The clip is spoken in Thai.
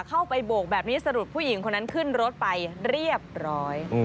เข้าไปโบกแบบนี้สรุปผู้หญิงคนนั้นขึ้นรถไปเรียบร้อย